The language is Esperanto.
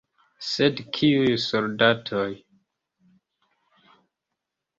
Sed kiuj soldatoj?